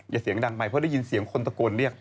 เสียงดังไปเพราะได้ยินเสียงคนตะโกนเรียก